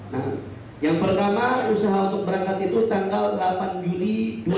nah yang pertama usaha untuk berangkat itu tanggal delapan juli dua ribu delapan belas